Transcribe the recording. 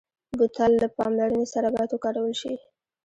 بوتل له پاملرنې سره باید وکارول شي.